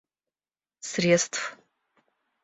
средств